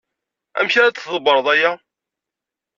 Amek ara d-tḍebbreḍ aya?